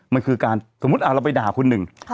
มันคือการสมมุติเราไปด่าคุณหนึ่ง